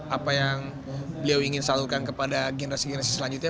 apa yang beliau ingin salurkan kepada generasi generasi selanjutnya